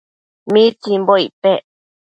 ¿mitsimbo icpec